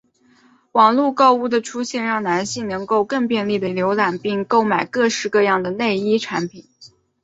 网路购物的出现让男性能够更便利地浏览并购买各式各样的内衣商品。